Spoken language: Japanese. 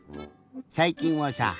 さいきんはさ